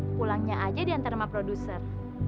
pulangnya aja diantar sama produser